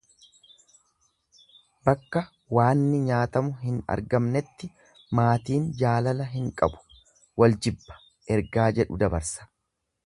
Bakka waanni nyaatamu hin argamnetti maatiin jaalala hin qabu wal jibba ergaa jedhu dabarsa.